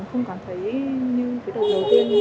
không cảm thấy như cái đầu đầu tiên